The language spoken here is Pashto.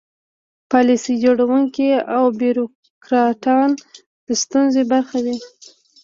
پالیسي جوړوونکي او بیروکراټان د ستونزې برخه وي.